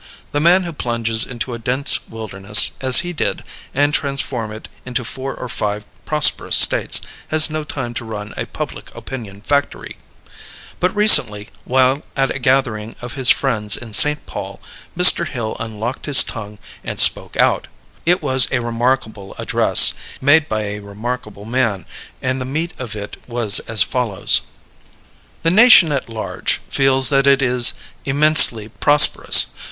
The man who plunges into a dense wilderness, as he did, and transforms it into four or five prosperous States, has no time to run a public opinion factory. But recently, while at a gathering of his friends in St. Paul, Mr. Hill unlocked his tongue and spoke out. It was a remarkable address, made by a remarkable man, and the meat of it was as follows: The nation at large feels that it is immensely prosperous.